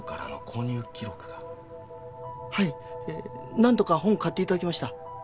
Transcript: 何度か本を買っていただきました。